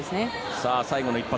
さあ、最後の一発。